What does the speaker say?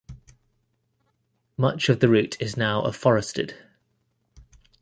Much of the route is now afforested.